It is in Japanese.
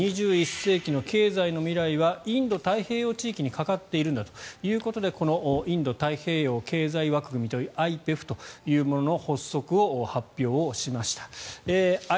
２１世紀の経済の未来はインド太平洋地域にかかっているんだということでインド太平洋地域経済枠組み・ＩＰＥＦというものの発足の発表をしました。